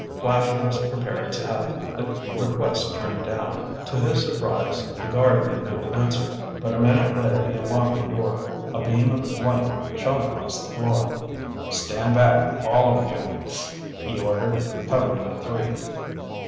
Flash was prepared to have the request turned down. To his surprise the guard made no answer. But a minute later he unlocked the door. A beam of light shot across the floor. "Stand back, all of you," he ordered, covering the three.